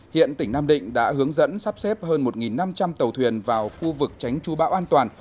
hiện tỉnh nam định đã hướng dẫn sắp xếp hơn một năm trăm linh tàu thuyền vào khu vực tránh chú bão an toàn